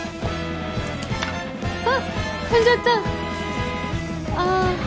わっ踏んじゃったああ